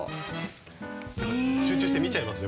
集中して見ちゃいますね